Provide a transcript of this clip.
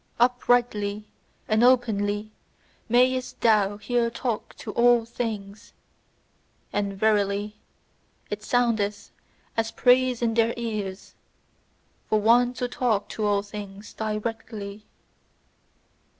Uprightly and openly mayest thou here talk to all things: and verily, it soundeth as praise in their ears, for one to talk to all things directly!